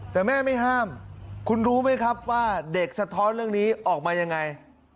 แต่แม่ไม่ห้ามคุณรู้ไหมครับว่าเด็กสะท้อนเรื่องนี้ออกมายังไง